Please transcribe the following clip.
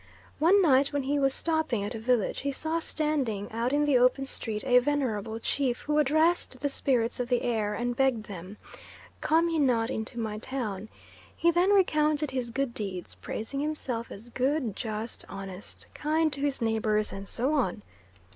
One night when he was stopping at a village, he saw standing out in the open street a venerable chief who addressed the spirits of the air and begged them, "Come ye not into my town;" he then recounted his good deeds, praising himself as good, just, honest, kind to his neighbours, and so on.